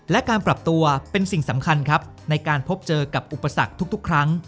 และการปรับตัวเป็นสิ่งสำคัญครับในการพบเจอกับอุปสรรคทุกครั้ง